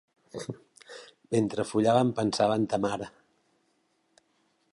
Mentre follàvem pensava en ta mare.